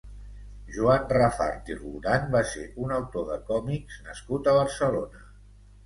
Joan Rafart i Roldán va ser un autor de còmics nascut a Barcelona.